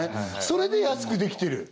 それで安くできてる？